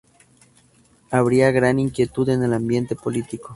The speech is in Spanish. Había gran inquietud en el ambiente político.